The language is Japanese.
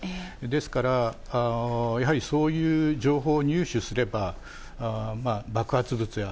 ですから、やはりそういう情報を入手すれば、爆発物や、